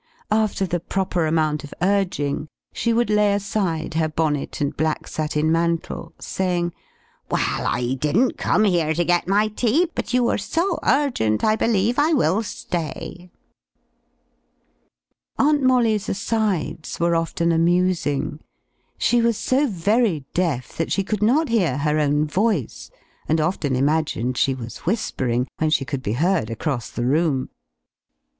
After the proper amount of urging, she would lay aside her bonnet and black satin mantle, saying, "Well, I didn't come here to get my tea, but you are so urgent, I believe I will stay." Aunt Molly's asides were often amusing. She was so very deaf that she could not hear her own voice, and often imagined she was whispering, when she could be heard across the room.